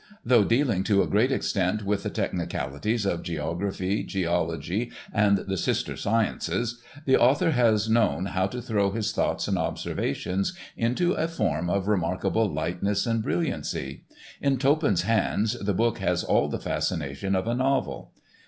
Though dealing to a great extent with the technicalities of geography, geology, and the sister sciences, the author has known how to throw his thoughts and observations into a form of remarkable lightness and brilliancy. In Toppan's hands the book has all the fascination of a novel.